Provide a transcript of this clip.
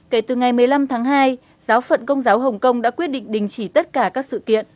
kể từ ngày một mươi năm tháng hai giáo phận công giáo hồng kông đã quyết định đình chỉ tất cả các sự kiện